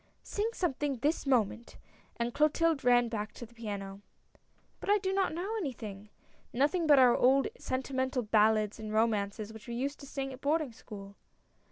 " Sing something this moment !" and Clotilde ran back to the piano. " But I do not know anything — nothing but our old sentimental ballads and romances which we used to sing at boarding school."